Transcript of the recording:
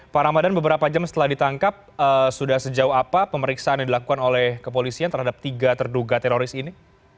pak ramadan beberapa jam setelah ditangkap sudah sejauh apa pemeriksaan yang dilakukan oleh kepolisian terhadap tiga terduga teroris ini